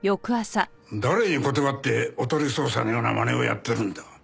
誰に断っておとり捜査のようなまねをやってるんだ？